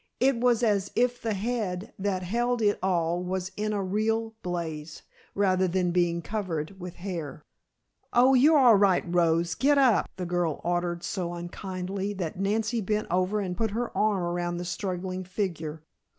It was as if the head that held it all was in a real blaze, rather than being covered with hair. "Oh, you're all right, Rose. Get up," the girl ordered so unkindly that Nancy bent over and put her arm about the struggling figure.